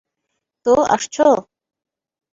তো, আসছো?